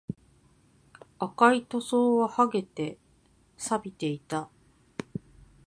赤い塗装は剥げて、錆びていた